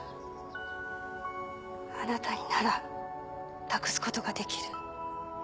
あなたになら託すことができる